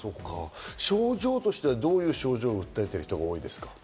症状としてはどういう症状が出ている人が多いですか？